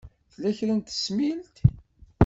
Tella kra n tesmilt?